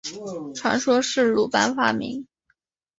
传说是鲁班发明。